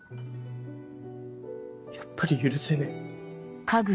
やっぱり許せねえ。